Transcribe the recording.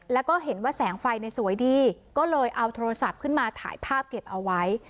แล้วก็เห็นว่าแสงไฟสวยดีก็เลยเอาโทรศัพท์ขึ้นมาถ่ายภาพเก็บเอาไว้